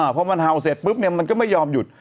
พอมันเห่าเสร็จปุ๊บมันก็ไม่ยอมหยุด